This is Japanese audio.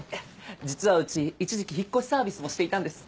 実はうち一時期引っ越しサービスもしていたんです。